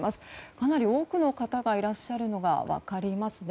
かなり多くの方がいらっしゃるのが分かりますね。